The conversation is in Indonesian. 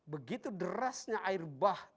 begitu derasnya air bah